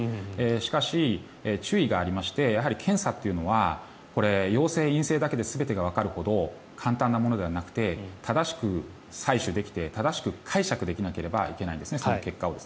しかし、注意がありましてやはり検査というのは陽性、陰性だけで全てがわかるほど簡単なものではなくて正しく採取できて正しく解釈できなければいけないんですね、結果を。